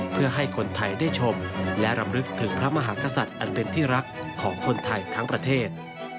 เพื่อให้คนไทยได้ชมและรำลึกถึงพระมหากษัตริย์อันเป็นที่รักของคนไทยทั้งประเทศ